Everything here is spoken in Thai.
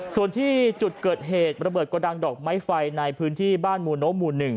ส่วนที่จุดเกิดเหตุระเบิดกระดังดอกไม้ไฟในพื้นที่บ้านมูโนหมู่๑